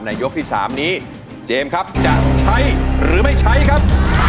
ยกที่๓นี้เจมส์ครับจะใช้หรือไม่ใช้ครับ